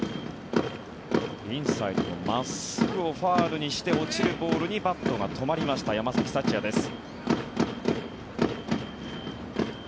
インサイドの真っすぐをファウルにして落ちるボールにバットが止まりました山崎福也です。